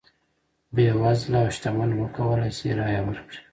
بېوزله او شتمن وکولای شي رایه ورکړي.